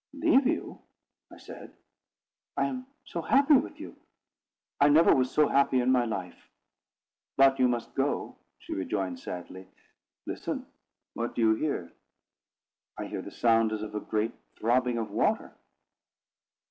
"Leave you!" I said. "I am so happy with you. I never was so happy in my life." "But you must go," she rejoined sadly. "Listen! What do you hear?" "I hear the sound as of a great throbbing of water."